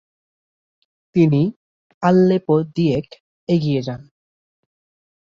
তিনি আল্লেপোর দিএক এগিয়ে যান।